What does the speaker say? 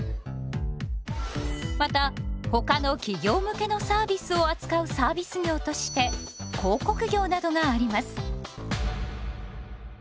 またほかの企業向けのサービスを扱うサービス業として広告業などがあります。